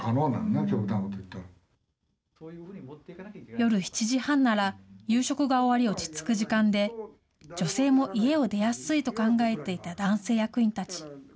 夜７時半なら、夕食が終わり、落ち着く時間で、女性も家を出やすいと考えていた男性役員たち。